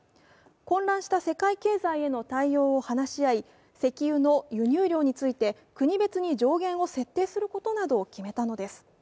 混乱した世界経済への対応を話し合い、石油の輸入量について国別に上限を設定することなどを決めたのです。